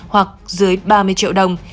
hoặc dưới ba mươi triệu đồng